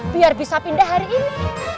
biar bisa pindah hari ini